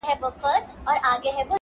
لېونو سره پرته د عشق معنا وي,